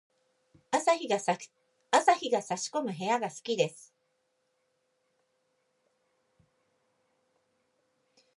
朝日が差し込む部屋が好きです。